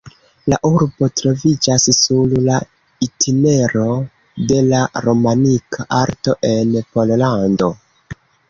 La urbo troviĝas sur la itinero de la romanika arto en Pollando.